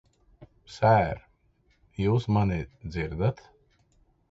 Ser, jūs mani dzirdat?